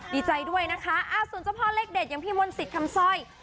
ดีใจด้วยนะคะส่วนเจ้าพ่อเลขเด็ดอย่างพี่มนต์สิทธิ์คำสร้อย